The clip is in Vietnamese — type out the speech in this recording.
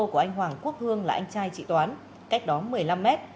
của anh hoàng quốc hương là anh trai chị toán cách đó một mươi năm mét